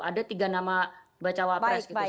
ada tiga nama bacawa pres gitu